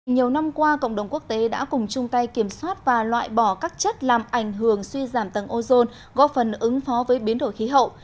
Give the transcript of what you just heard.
nhiều năm qua cộng đồng quốc tế đã cùng chung tay kiểm soát và loại bỏ các chất làm ảnh hưởng suy giảm tầng ozone góp phần ứng phó với biến đổi khí hậu